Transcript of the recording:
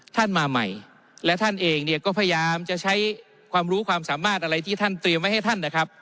ท่านมาใหม่และท่านเองเนี่ยก็พยายามจะใช้ความรู้ความสามารถอะไรที่ท่านเตรียมไว้ให้ท่านนะครับ